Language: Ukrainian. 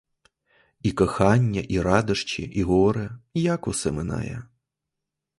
І кохання, і радощі, і горе — як усе минає!